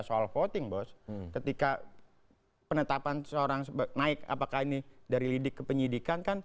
soal voting bos ketika penetapan seseorang naik apakah ini dari lidik ke penyidikan kan